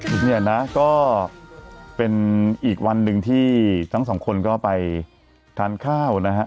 ส่วนใหญ่นะก็เป็นอีกวันหนึ่งที่ทั้งสองคนก็ไปทานข้าวนะฮะ